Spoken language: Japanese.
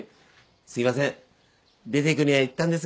すいません出ていくようには言ったんですが。